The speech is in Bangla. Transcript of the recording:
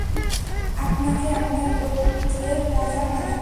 আপনাকে আপনার গোত্রের রাজা বানাব।